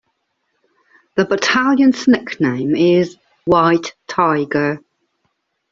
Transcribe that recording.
The battalion's nickname is 'White Tiger.